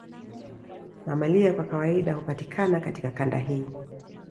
Mamalia kwa kawaida hupatikana katika kanda hii